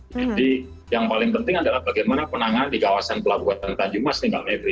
jadi yang paling penting adalah bagaimana penanganan di kawasan pelabuhan tanjung mas tinggal medri